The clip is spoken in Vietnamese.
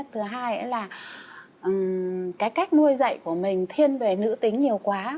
cái thứ hai là cái cách nuôi dạy của mình thiên về nữ tính nhiều quá